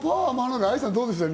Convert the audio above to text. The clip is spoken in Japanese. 愛さん、どうですか？